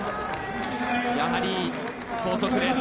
やはり、高速です。